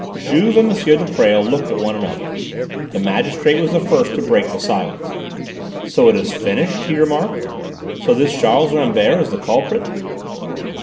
Juve and M. de Presles looked at one another. The magistrate was the first to break the silence. "So it is finished?" he remarked. "So this Charles Rambert is the culprit?"